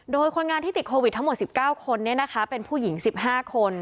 โดยคนงานที่ติดโควิดทั้งหมด๑๙คนเป็นผู้หญิง๑๕คน